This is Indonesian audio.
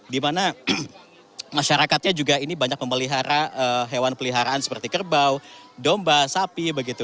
dimana masyarakatnya juga ini banyak memelihara hewan peliharaan seperti kerbau domba sapi begitu